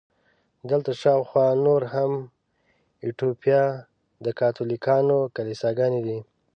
دلته شاوخوا نورې هم د ایټوپیا د کاتولیکانو کلیساګانې دي.